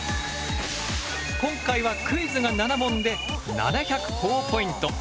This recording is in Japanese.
今回はクイズが７問で７００ほぉポイント。